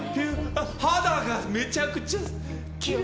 肌がめちゃくちゃきれい！